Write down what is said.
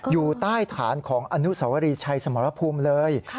อยู่ใต้ฐานของอนุสวรีชัยสมรภูมิเลย